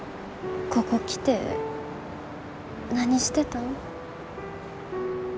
ここ来て何してたん？